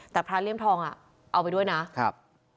แต่พระเลี่ยมทองอ่ะเอาไปด้วยนะครับ